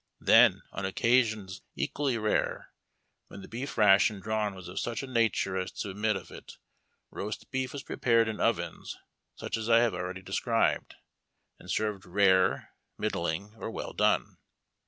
Then, on occiisions equally rare, when the beef ration drawn was of such a nature as to admit of it, roast beef was prepared in ovens such as I have already described, and served "rare," "middling," or "well done."